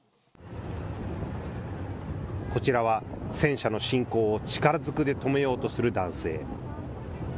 こちらは戦車の進行を力ずくで止めようとする男性。